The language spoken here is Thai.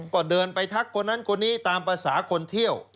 ก็เดินไปทักคนนั้นคนนี้ตามภาษาคนเที่ยว